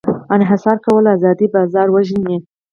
انحصار کول ازاد بازار وژني.